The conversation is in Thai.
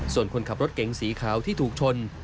ส่วนคนขับรถเก๋งสีขาวที่ถูกชน